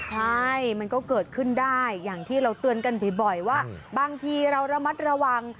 ใช่มันก็เกิดขึ้นได้อย่างที่เราเตือนกันบ่อยว่าบางทีเราระมัดระวัง